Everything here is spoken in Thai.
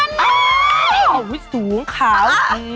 นี้สูงคราว